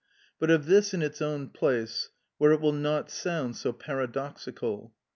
But of this in its own place, where it will not sound so paradoxical.